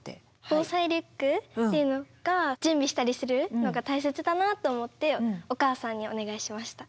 防災リュックっていうのが準備したりするのが大切だなと思ってお母さんにお願いしました。